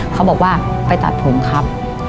เขาบอกว่าไปตัดผมครับ